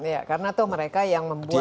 ya karena itu mereka yang membuat